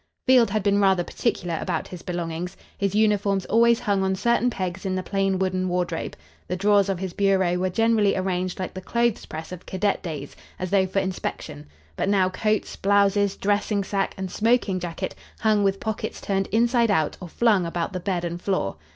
Field had been rather particular about his belongings. His uniforms always hung on certain pegs in the plain wooden wardrobe. The drawers of his bureau were generally arranged like the clothes press of cadet days, as though for inspection, but now coats, blouses, dressingsack and smoking jacket hung with pockets turned inside out or flung about the bed and floor.